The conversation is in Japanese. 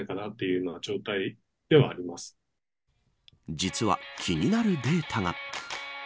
実は気になるデータが。